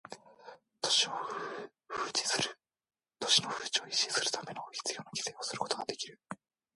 都市の風致を維持するため必要な規制をすることができる